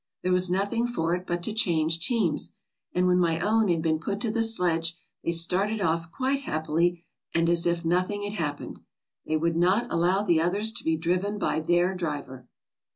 There was nothing for it but to change teams, and when my own had been put to the sledge, they started off quite happily, and as if nothing had happened. They would not allow the others to be driven by their driver!"